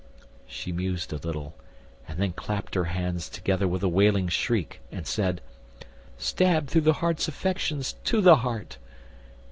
She mused a little, and then clapt her hands Together with a wailing shriek, and said: "Stabbed through the heart's affections to the heart!